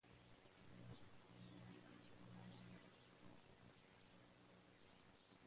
Hung fue eliminado inmediatamente sin posibilidades de participar en la siguiente ronda.